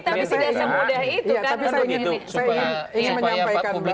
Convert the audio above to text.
tapi saya ingin menyampaikan mbak putri ya